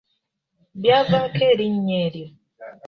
Byavaako erinnya eryo.